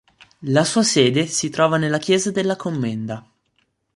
La sua sede si trova nella chiesa della Commenda.